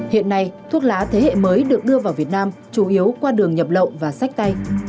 hiện nay thuốc lá thế hệ mới được đưa vào việt nam chủ yếu qua đường nhập lậu và sách tay